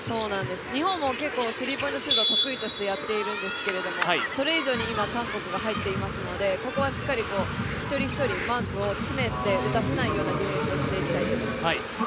日本も結構スリーポイントシュートを得意としてやっているんですけれども、それ以上に今、韓国が入っていますのでここはしっかり一人一人マークを詰めて打たせないようなディフェンスをしていきたいです。